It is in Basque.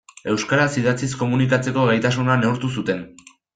Euskaraz idatziz komunikatzeko gaitasuna neurtu zuten.